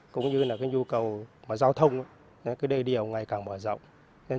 cũng như là nhu cầu giao thông đê điều ngày càng mở rộng